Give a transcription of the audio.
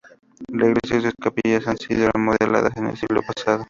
La iglesia y sus capillas han sido remodeladas en el siglo pasado.